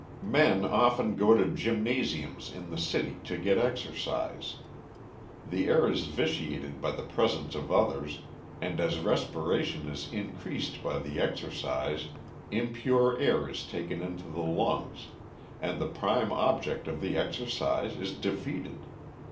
Men often go to gymnasiums in the city to get exercise. The air is vitiated by the presence of others, and as respiration is increased by the exercise, impure air is taken into the lungs, and the prime object of the exercise is defeated.